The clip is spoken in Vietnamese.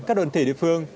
các đoàn thể địa phương